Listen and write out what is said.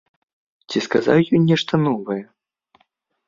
Ці сказаў ён нешта новае?